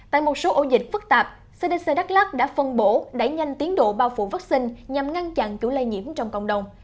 tại một số ổ dịch phức tạp cdc đắk lắc đã phân bổ đẩy nhanh tiến độ bao phủ vaccine nhằm ngăn chặn chủ lây nhiễm trong cộng đồng